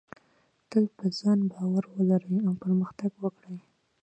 تل په ځان باور ولرئ او پرمختګ وکړئ.